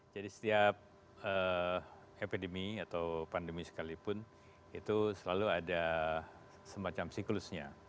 jadi setiap epidemi atau pandemi sekalipun itu selalu ada semacam siklusnya